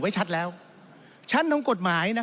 ท่านประธานก็เป็นสอสอมาหลายสมัย